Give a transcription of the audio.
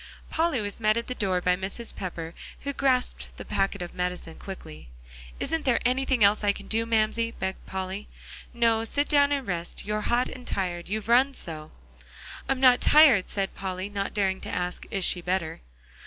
Polly was met at the door by Mrs. Pepper, who grasped the packet of medicine quickly. "Isn't there anything else I can do, Mamsie?" begged Polly. "No; sit down and rest; you're hot and tired, you've run so." "I'm not tired," said Polly, not daring to ask "Is she better?"